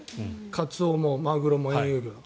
カツオもマグロも。